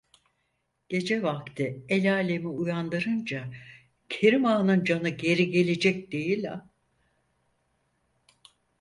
Gece vakti elalemi uyandırınca Kerim Ağa'nın canı geri gelecek değil a!